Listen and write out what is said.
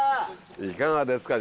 「いかがですか？」